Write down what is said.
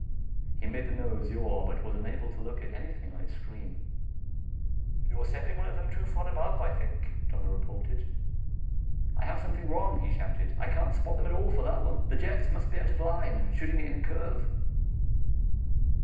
He made the nose yaw, but was unable to locate anything on its screen. "You're sending one of them too far above, I think," Donna reported. "I have something wrong," he shouted. "I can't spot them at all for that one. The jets must be out of line and shooting it in a curve."